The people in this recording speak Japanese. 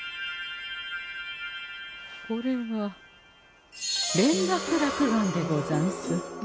これは「連絡落雁」でござんす。